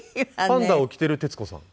パンダを着ている徹子さん。